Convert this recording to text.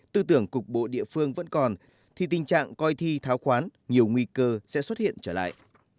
tư tưởng cục bộ địa phương vẫn còn thì tình trạng coi thi tháo khoán nhiều nguy cơ sẽ xuất hiện trở lại